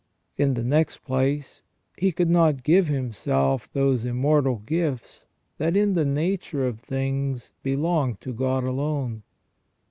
In the next place, he could not give himself those immortal gifts that, in the nature of things, belong to God alone.